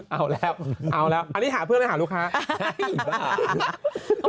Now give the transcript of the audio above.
เอาแล้วเอาแล้วอันนี้หาเพื่อนแล้วหาลูกค้า